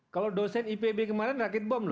kalau dosen ipb kemarin rakit bom